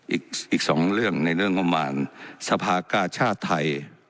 อีกสองเรื่องในเรื่องงบประมาณสภากาชาติไทย